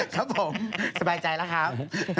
ครับผมสบายใจแล้วครับ